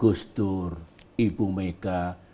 gustur ibu mega